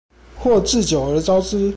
或置酒而招之